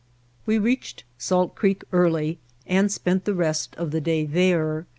We reached Salt Creek early and spent the rest of the day there.